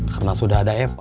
karena sudah ada epa